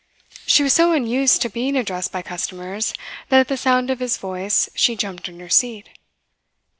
She was so unused to being addressed by customers that at the sound of his voice she jumped in her seat.